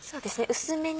薄めに。